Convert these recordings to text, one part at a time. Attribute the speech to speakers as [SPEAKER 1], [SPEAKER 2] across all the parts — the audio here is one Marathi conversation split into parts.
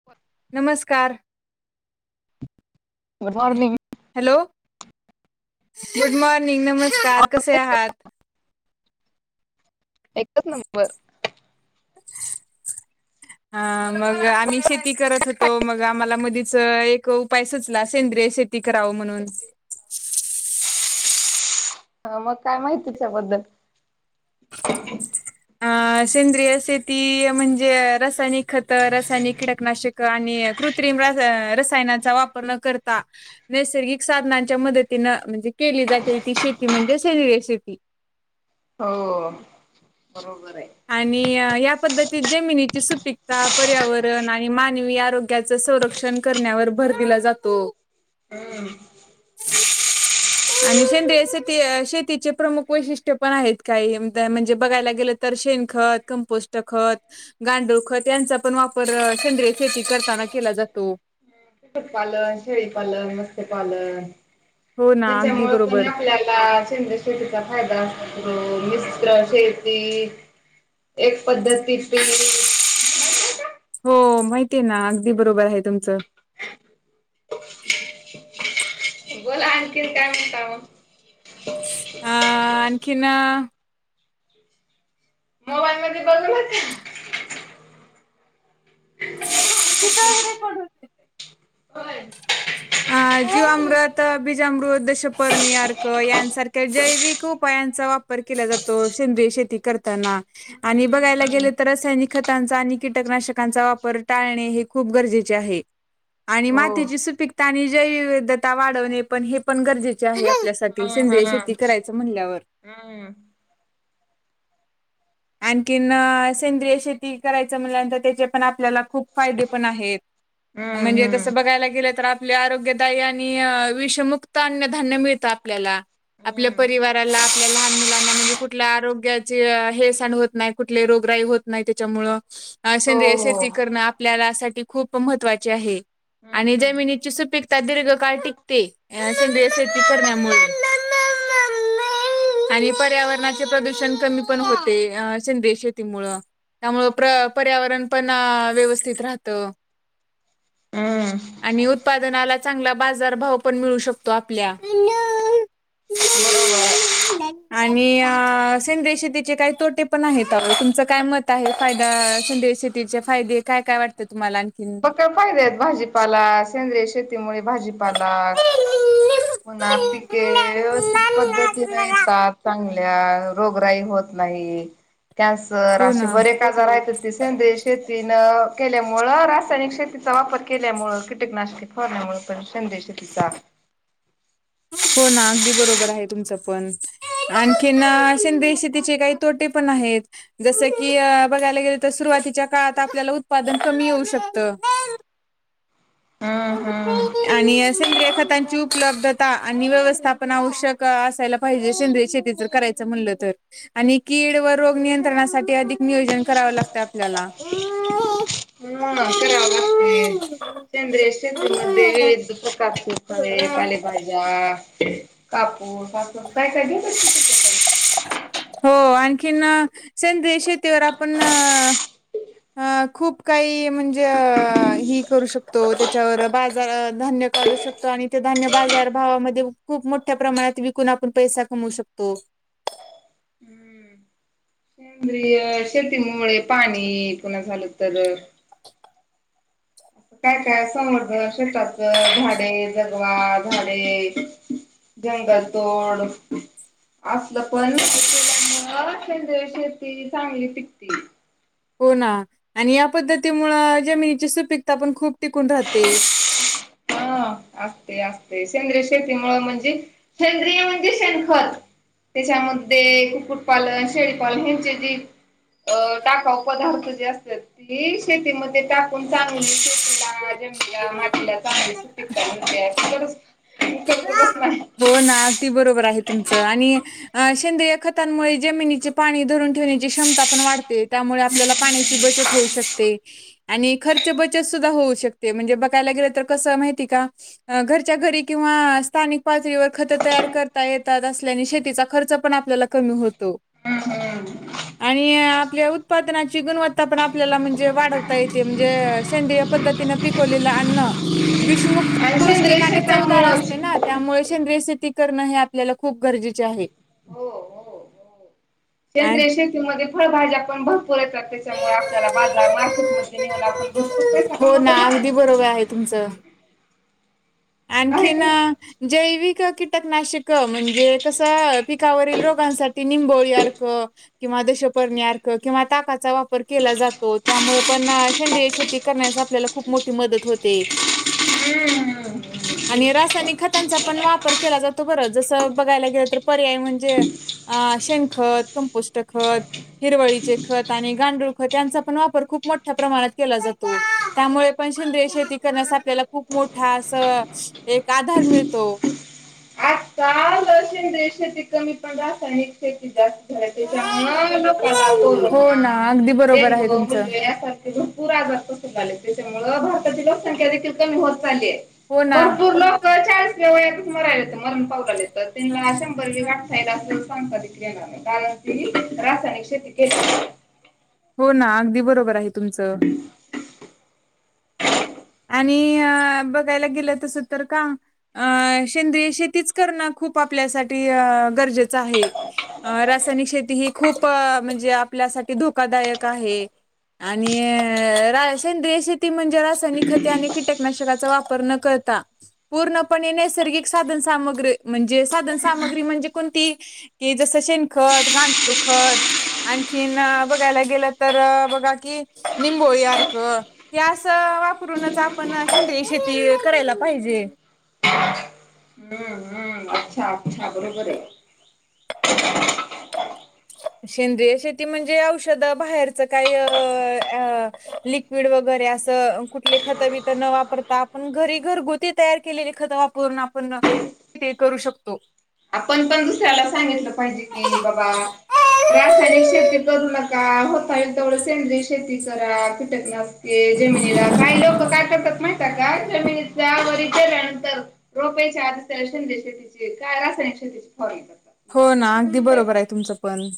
[SPEAKER 1] [inaudible]
[SPEAKER 2] नमस्कार!
[SPEAKER 1] Good morning!
[SPEAKER 2] Hello, good morning! नमस्कार कसे आहात?
[SPEAKER 1] एकच नंबर.
[SPEAKER 2] [inaudible] हा मग आम्ही शेती करत होतो मग आम्हाला मधीच एक उपाय सुचला सेंद्रिय शेती. ती कराव म्हणून.
[SPEAKER 1] ह मग काय माहिती त्याबद्दल.
[SPEAKER 2] अ सेंद्रिय शेती म्हणजे रासायनिक खत रासायनिक कीटकनाशक. आणि कृत्रिम रसायनाचा वापर न करता. नैसर्गिक साधनांच्या मदतीनं म्हणजे केली जाते ती शेती म्हणजे सेंद्रिय शेती.
[SPEAKER 1] हो बरोबर आहे.
[SPEAKER 2] आणि या पद्धतीत जमिनीची सुपीकता पर्यावरण आणि मानवी आरोग्याचं संरक्षण. करण्यावर भर दिला जातो.
[SPEAKER 1] हम.
[SPEAKER 2] [inaudible] आणि सेंद्रिय शेती शेतीचे प्रमुख वैशिष्ट्य पण आहेत काही म्हणजे बघायला गेलं. तर शेन खत, कंपोष्ट खत. गांडूळ खत यांचा पण वापर सेंद्रिय शेती करताना केला जातो.
[SPEAKER 1] कुकुट पालन, शेळी पालन, मस्त पालन.
[SPEAKER 2] हो ना अगदी
[SPEAKER 1] त्याच्यामुळे कोणी
[SPEAKER 2] बरोबर
[SPEAKER 1] आपल्याला सेंद्रिय शेती. शेतीचा फायदा मि्र शेती एक पद्धती.
[SPEAKER 2] हो माहिती आहे ना अगदी बरोबर आहे तुमचं.
[SPEAKER 1] मगं आणखीन काय म्हणता मगं.
[SPEAKER 2] आ आणखीन
[SPEAKER 1] मोबाईल मध्ये बघू नका.
[SPEAKER 2] तिथंच रेकॉर्ड होते.
[SPEAKER 1] होय
[SPEAKER 2] अ जीवामृत, बीजामृत, दशप्रणिर्क यांसारख्या जैविक उपायांचा वाप वापर केला जातो सेंदय शेती करताना आणि
[SPEAKER 1] हम्म
[SPEAKER 2] बघायला
[SPEAKER 1] हम्म
[SPEAKER 2] गेले तरं रासायनिक खत त्यांचा आणि कीटकनाशकांचा वापर टाळणे हे खूप गरजेचे आहे. आणि
[SPEAKER 1] हो
[SPEAKER 2] मातीची सुपीकता आणि जैविधता वाढवणे पण हे पण गरजे चे आहे आपल्यासाठी सेंद्रिय शेती करायचं म्हणल्यावर.
[SPEAKER 1] हम्.
[SPEAKER 2] आणखीन सेंद्रिय शेती करायचं म्हल्यानंतर त्याचे पण आपल्याला खूप फायदे पण आहेत,
[SPEAKER 1] हम्म
[SPEAKER 2] म्हणजे
[SPEAKER 1] हम्म
[SPEAKER 2] तस बघायला गेलं तर आ आपल्या आरोग्यदायी आणि विषमुक्त अननधान्य मिळत आपल्याला आपल्या
[SPEAKER 1] हम्म
[SPEAKER 2] परिव त्याला आपल्या लहान मुलांना म्हणजे कुठला आरोग्याचे नुकसान होत नाही, कुठलीही रोगराई होत नाही त्याच्यामुळं
[SPEAKER 1] हो
[SPEAKER 2] सेंद्रिय
[SPEAKER 1] हो
[SPEAKER 2] शेती करण आपल्यालासाठी खूप महत्त्वाचे आहे
[SPEAKER 1] हम्म
[SPEAKER 2] आणि जमिनीची सुपीकता दीर्घकाळ टिकते. अ सेंद्रिय शेती करण्यामुळे. आणि पर्यावरणाचे प्रदूषण कमी पण हो ते सेंद्रिय शेतीमुळ त्यामुळ पर्यावरण पण व्यवस्थित राहतं.
[SPEAKER 1] हम्म
[SPEAKER 2] [inaudible] आणि उत्पादनाला चांगला बाजारभाव पण मिळू शकतो आपल्या
[SPEAKER 1] बरोबर आहे
[SPEAKER 2] आणि अ सेंद्रिय शेतीचे काय तोटे पण आहेत. तुमचं काय मत आहे फायदा संंदे शेटचे फायदे काय काय वाटतं तुम्हाला आणखी.
[SPEAKER 1] म का फायदे आहेत भाजीपाला सेंद्रिय शेतीमुळे भाजीपाला पुन्हा पीके पद्धतीने येतात चांगल्या रोगराई होत नाही. त्यास
[SPEAKER 2] हो
[SPEAKER 1] असे
[SPEAKER 2] ना
[SPEAKER 1] बरे काजारहत ती सेंद्रिय शेतीन केल्यामुळं रा शेतीचा वापर केल्यामुळे कीटकनाशक फरल्यामुळे पण सेंद्रिय शेतीचा.
[SPEAKER 2] हो ना अगदी बरोबर आहे तुमचं पण. आणखीन शिंद्रे शेतीचे काही तोटे पण आहेत. जस की बघायला गेलं तर सुरुवातीच्या काळात आपल्याला उत्पादन कमी येऊ शकतं. [inaudible]
[SPEAKER 1] हम्म हम्म.
[SPEAKER 2] आणि अ सेंद्रिय खतांची उपलब्ध या आणि व्यवस्थापन आवश्यक असायला पाहिजे सेंद्रिय शेती जर करायचं म्हणलं तर. आणि कीड व रोग नियंत्रणासाठी अधिक नियोजन करावं लागतं आपल्याला.
[SPEAKER 1] ह कराव लागतय सेंद्रिय शेतीमध्ये विविध प्रकार. रफळे, पालेभाज्या, कापूस हास काय काजे.
[SPEAKER 2] [unintelligible] हो आणखीन सेंद्रिय शेतीवर आपण अ खूप काही म्हणजे ही करू शकतो त्याच्यावर बाजार धान्य काढू शकतो आणि ते धान्य बाजार भावामध्ये खूप मोठ्या प्रमाणात विकून आपण पैसा कमू शकतो.
[SPEAKER 1] शेतीमुळे पाणी पुन्हा झालं तर. काय काय समर्द शेताच झाडे जगवा झाडे जंगल तोड असलं पण हे केल्यामुळे सेंद्रिय शेती चांगली पिकते.
[SPEAKER 2] हो ना आणि या पद्धतीमुळं जमिनीची सुपीकता पण खूप टिकून राहते.
[SPEAKER 1] ह असते असते, सेंद्रिय शेतीमुळं म्हणजे, सेंद्रिय म्हणजे शेणखत. त्याच्यामध्ये कुक्कुटपालन, शेळीपालन ह्यांचे जे अ टाकाऊ पदार्थ जे असतात, ती शेतीमध्ये टाकून चांगली शेतीला मातीला चांगली सुपिकता [unintelligible] बसणार
[SPEAKER 2] हो ना ती बरोबर आहे तुमचं आणि शेंद्रिय खतांमुळे जमिनीचे पाणी धरून ठेवण्याची क्षमता पण वाढते, त्यामुळे आपल्याला पाण्याची बचत होऊ शकते. आणि खर्च बचत सुद्धा होऊ शकते म्हणजे बघ चायला गेलं तर कसं आहे माहिती आहे का, घरच्या घरी किंवा स्थानिक पातळीवर खत तयार करता येतात, असल्याने शेतीचा खर्च पण आपल्याला कमी होतो.
[SPEAKER 1] हम्म
[SPEAKER 2] आणि आपल्या उत्पादनाची गुणवत्ता पण आपल्याला म्हणजे वाढवता येते म्हणजे सेंद्रिय पध्दतीन पिकवलेलं अन्न विषमुक्त,
[SPEAKER 1] आणि सेंद्रिय
[SPEAKER 2] पौष्टिक आणि
[SPEAKER 1] शेतामुळे
[SPEAKER 2] चवदार असते ना. त्यामुळे सेंद्रिय शेती करणं हे आपल्याला खूप गरजेचे आहे. आणि
[SPEAKER 1] सेंद्रीय शेतीमध्ये फळभाज्या पण भरपूर येतात, त्याच्यामुळे आपल्याला बाजार मार्केट न आपण बोलय सका मत नाही
[SPEAKER 2] प्रवे आहे तुमचं.
[SPEAKER 1] आहे
[SPEAKER 2] आणखीन
[SPEAKER 1] का
[SPEAKER 2] जैविक कीटकनाशक म्हणजे कसं पिकावरील रोगांसाठी निंबोळी अर्ख किंवा दशपर्णी अर्क किंवा ताकाचा वापर केला जातो, त्यामुळे पण सेंद्रिय शेती करण्याचा आपल्याला खूप मोठी मदत होते.
[SPEAKER 1] हम्म.
[SPEAKER 2] आणि रासायनिक खतांचा पण वापर केला जातो बरं, जसं बघायला गेलं तर पर्याय म्हणजे अ शेणखत, कंपोष्ट खत हिरवळीचे खत आणि गांडूळ खत यांचा पण वापर खूप मोठ्या प्रमाणात केला जातो. त्यामुळे पण शेंद्रिय शेती करण्यास आपल्याला खूप मोठा अस एक आधार मिळतो.
[SPEAKER 1] सेंद्रीय शेती कमी, पण रासायिक शेती जास्त त्यांच्यामुळे लोकांना
[SPEAKER 2] हो
[SPEAKER 1] कोरोना,
[SPEAKER 2] ना अगदी बरोबर आहे
[SPEAKER 1] डेंगू,
[SPEAKER 2] तुमचं
[SPEAKER 1] मलेरिया भरपूर आजार पण झाले, त्याच्यामुळ भारताची लोकसंख्या देखील कमी होत चाली आहे.
[SPEAKER 2] हो ना
[SPEAKER 1] भरपूर लोक चाळीसच्या वयातच मराय लागलेत मरण पावतेत त्यांना शंभर बी गाठ अस सांगतात की नाही कारण ति रासायनिक शेती केली.
[SPEAKER 2] हो ना अगदी बरोबर आहे तुमचं. आणि बघायला गेल तस तर का अ सेंद्रिय शेतीच करणं खूप आपल्यासाठी अ गरजेचं आहे. अ रासायनिक शेती ही खूप म्हणजे, आपल्यासाठी धोकादायक आहे. आणि रा सेंद्रिय शेती म्हणजे रासायनिक खते आणि कीटकनाशकाचा वापर न करता पूर्णपणे नैसर्गिक साधन सामग्री म्हणजे साधन सामग्री म्हणजे कोणती कि जसं शेणखत, गांडूळखत आणखीन बघायला गेलं तर, बघा कि निंबोळी सारख क अस वापरूनच आपण सेंद्रीय शेती करायला पाहिजे.
[SPEAKER 1] हम्म हम्म अच्छा हा बरोबर आहे
[SPEAKER 2] सेंद्रिय शेती म्हणजे औषध बाहेरच काही वीड वगैरे असं कुठले खतंबी तर न वापरता आपण घरी घरगुती तयार केलेली खत वापरून. पण ते करू शकतो.
[SPEAKER 1] आपण पण दुसऱ्याला सांगितलं पाहिजे कि बाबा रासायनिक शेती करू नका होताळी तेवढं सेंद्रय शेती करा किटकला. ते जमिनीला काय लोक काय करतात नाही. स जमिनीचा वरल्यानंतर रोपयेच्या आधी रेशन दश ति कायलाॉ
[SPEAKER 2] हो ना अगदी बरोबर आहे तुमचं पण.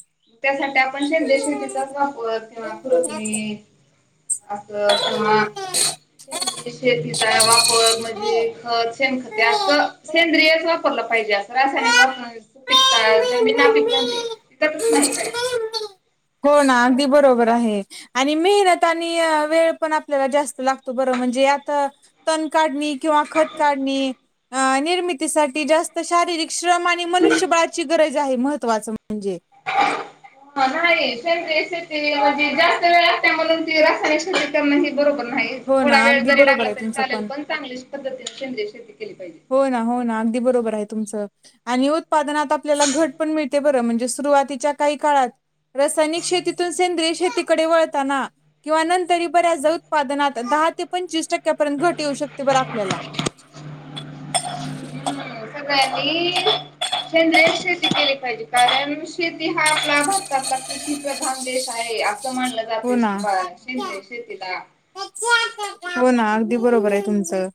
[SPEAKER 1] त्यासाठी आपण शेंदे शेतीचाच वापर किंवा कृतम असं तुम शेतीचा वापर म्हणजे खत शे खत अस सेंद्रियच वापरलं. पाहिजे असं रासायनिक वून त पिकता जमीन नापिक बनते ततच नाही काय.
[SPEAKER 2] हो ना अगदी बरोबर आहे. आणि मेहनत आणि वेळ पण आपल्याला जास्त लागतो बरं म्हणजे आता तण काढणी किंवा खत काढणी निर्मितीसाठी जास्त शारीरिक ्रम आणि मनुष्यबळाची गरज आहे महत्त्वाच म्हणजे
[SPEAKER 1] ह नाही श शेती म्हणजे जास्त वेळ लागते म्हणून ती रासायनिक शेती करण ह बरोबर नाही.
[SPEAKER 2] हो
[SPEAKER 1] थोडा
[SPEAKER 2] ना
[SPEAKER 1] वेळ
[SPEAKER 2] अगदी
[SPEAKER 1] जरी
[SPEAKER 2] बरोबर
[SPEAKER 1] लागला
[SPEAKER 2] आहे
[SPEAKER 1] तरी
[SPEAKER 2] तुमचं
[SPEAKER 1] चालेल पण चांगली पद्धतीने शिंद शेती केली पाहिजे.
[SPEAKER 2] हो ना हो ना अगदी बरोबर आहे तुमचं आणि हो. उत्पादनात आपल्याला घट पण मिळते बरं म्हणजे सुरुवातीच्या काही काळात रासायनिक शेतीतून सेंद्रिय शेतीकडे वळताना. किंवा नंतर बऱ्याच उत्पादनात दहा ते पंचवीस टक्क्यापर्यंत घट येऊ शकते बरं आपल्याला [inaudible]
[SPEAKER 1] हम्म सगळ्यांनी संद्र शेती केली पाहिजे कारण. शेती हा आपला भारतातला कृषी प्रधान देश आहे असं मानलं
[SPEAKER 2] हो
[SPEAKER 1] जाते.
[SPEAKER 2] ना
[SPEAKER 1] ब शेंदे सेतीला
[SPEAKER 2] हो ना अगदी बरोबर आहे तुमचं.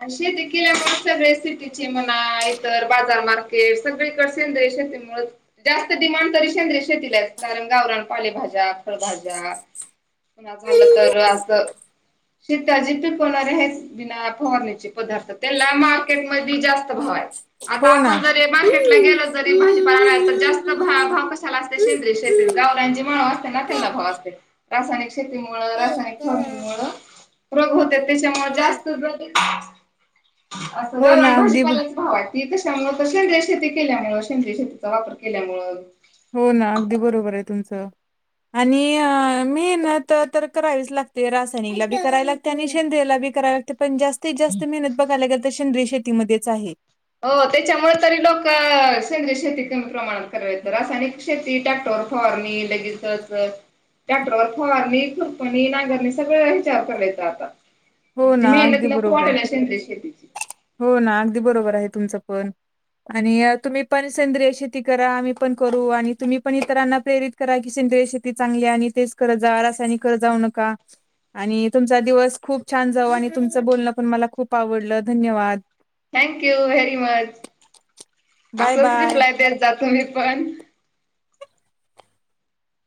[SPEAKER 1] आणि शेती केल्या सगळे सिटीचे म्हणा इतर बाजार मार्केट सगळे पसें दश तेमु जास्त डिमांड तरी शेंद्र शेतीलाच कारण गावरान पालेभाज्या फलभाज्या पु झालं तर असं शेताचीी पिकवणारे आहेच बिना फवारणीची पदार्थ त्याला मार्केट म जास्त भाव आहे. आता
[SPEAKER 2] हो
[SPEAKER 1] आपण
[SPEAKER 2] ना
[SPEAKER 1] जरी मार्केटला गेलो जरी भाजीपाणाला जास्त भाव कशाला असेंद श गावची मा असते ना भाव असतेय. शेतीमुळे रासायनिक फणी मु रोग होते त्याच्यामुळे जास्त असं
[SPEAKER 2] हो
[SPEAKER 1] जाण
[SPEAKER 2] ना अगदी
[SPEAKER 1] भाजीपाल्यालाच भावट ती कशामु कशेंदिय शेती केल्यामु अशेंदिय शेतीचा वापर केल्यामु
[SPEAKER 2] हो ना अगदी बरोबर आहे तुमचं. आणि मेहनत तर करावीच लागते रासायनिकला बी करावी लागते. त्यांनी शेंद्रेला बी करावे लागते पण जास्तीत जास्त मेहनत बघायल्या ग तर शेंद्रय शेतीमध्येच आहे.
[SPEAKER 1] हो त्याच्यामुळे तरी लोक शेग शेती कमी प्रमाणात करावेेत रासायनिक शेती ट्रॅक्टर फरणी लगेचच. त्याटरावर फवारणी खुरपणी नांगरणी सगळे विचार करायचा आता.
[SPEAKER 2] हो
[SPEAKER 1] म्हणजे
[SPEAKER 2] ना
[SPEAKER 1] मेहन
[SPEAKER 2] अगदी
[SPEAKER 1] तिं
[SPEAKER 2] बरोबर आहे.
[SPEAKER 1] कॉटन असे शेतीची
[SPEAKER 2] हो ना अगदी बरोबर आहे तुमचं पण आणि तुम्ही पण सेंद्रिय शेती करा आम्ही पण करू आणि तुम्ही पण इतरांना प्रेरित कराय की सेंद्रिय शेती चांगली आणि तेच कररं जा रासायनिकर जाऊ नका आणि तुमचा दिवस खूप छान जाऊ आणि तुमचं बोलणं पण मला खूप आवडलं धन्यवाद
[SPEAKER 1] thank you very much
[SPEAKER 2] bye
[SPEAKER 1] असंच
[SPEAKER 2] बाय.
[SPEAKER 1] रिप्लाय देत जा तुम्ही पण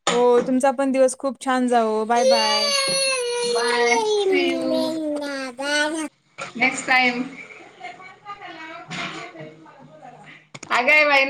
[SPEAKER 2] हो तुमचा पण दिवस खूप छान जाव बाय बाय
[SPEAKER 1] मू
[SPEAKER 2] बाय.
[SPEAKER 1] नेक्स्ट टाइम अगय बाई ना